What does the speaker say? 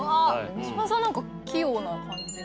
三島さん何か器用な感じが。